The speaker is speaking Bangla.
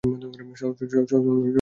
শহর ধ্বংসের কারণ অজানা।